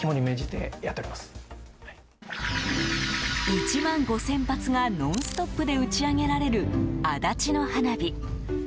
１万５０００発がノンストップで打ち上げられる足立の花火。